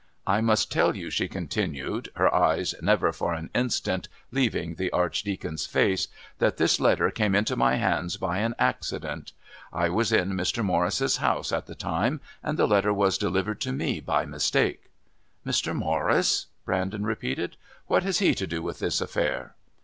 "I must tell you," she continued, her eyes never for an instant leaving the Archdeacon's face, "that this letter came into my hands by an accident. I was in Mr. Morris's house at the time and the letter was delivered to me by mistake." "Mr. Morris?" Brandon repeated. "What has he to do with this affair?"